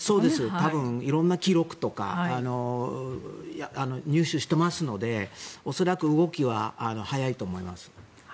多分、色んな記録とか入手していますので恐らく動きは速いと思います。